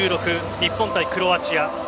日本対クロアチア